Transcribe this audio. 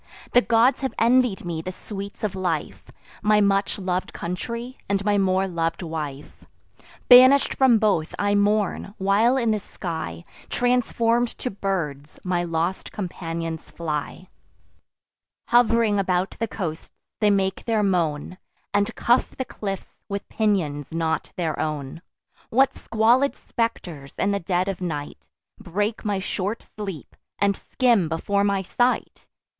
The gods have envied me the sweets of life, My much lov'd country, and my more lov'd wife: Banish'd from both, I mourn; while in the sky, Transform'd to birds, my lost companions fly: Hov'ring about the coasts, they make their moan, And cuff the cliffs with pinions not their own. What squalid spectres, in the dead of night, Break my short sleep, and skim before my sight!